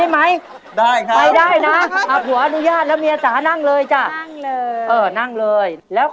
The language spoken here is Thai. ให้คนไปนั่งแล้ว